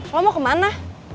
lo mau kemana